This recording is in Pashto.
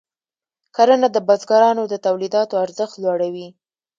کرنه د بزګرانو د تولیداتو ارزښت لوړوي.